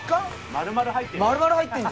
丸々入ってる。